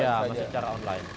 iya masih secara online